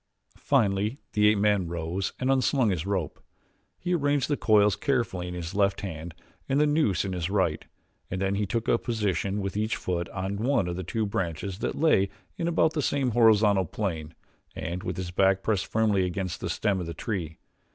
Finally the ape man rose and un slung his rope. He arranged the coils carefully in his left hand and the noose in his right, and then he took a position with each foot on one of two branches that lay in about the same horizontal plane and with his back pressed firmly against the stem of the tree.